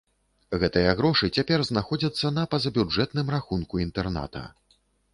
Гэтыя грошы цяпер знаходзяцца на пазабюджэтным рахунку інтэрната.